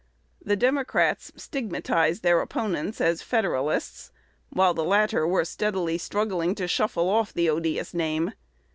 The Democrats stigmatized their opponents as "Federalists," while the latter were steadily struggling to shuffle off the odious name.